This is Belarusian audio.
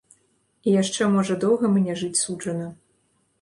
І яшчэ можа доўга мне жыць суджана.